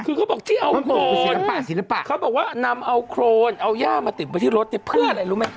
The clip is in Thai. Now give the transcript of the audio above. คือเขาบอกที่เอาโครนเขาบอกว่านำเอาโครนเอาย่ามาติดไปที่รถเพื่ออะไรรู้ไหมคะ